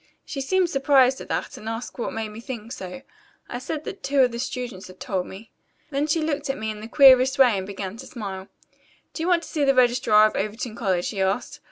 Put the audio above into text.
She seemed surprised at that and asked what made me think so. I said that two of the students had told me so. Then she looked at me in the queerest way and began to smile. 'Do you want to see the registrar of Overton College?' she asked.